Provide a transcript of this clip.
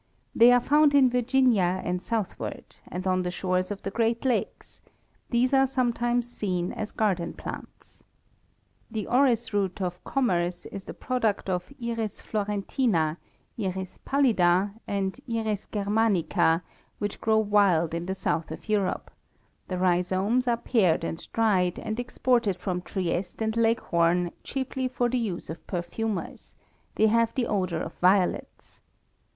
They are found in Virginia and southward, and on the shores of the great lakes; these are sometimes seen as garden plants. The orris root of commerce is the product of Iris Florentina, I. pallida, and I. Germanica, which grow wild in the south of Europe; the rhizomes are pared and dried, and exported from Trieste and Leghorn, chiefly for the use of perfumers; they have the odor of violets.